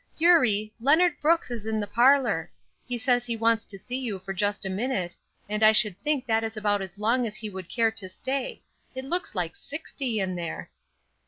"Eurie, Leonard Brooks is in the parlor. He says he wants to see you for just a minute, and I should think that is about as long as he would care to stay; it looks like sixty in there."